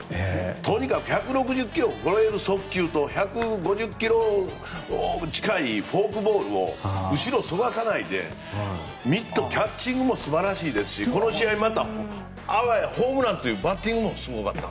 とにかく１６０キロを超える速球と１５０キロ近いフォークボールを後ろにそらさないでキャッチングも素晴らしいですしこの試合あわやホームランというバッティングもすごかった。